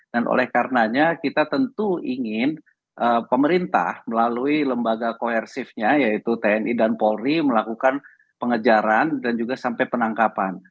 dan oleh karenanya kita tentu ingin pemerintah melalui lembaga koersifnya yaitu tni dan polri melakukan pengejaran dan juga sampai penangkapan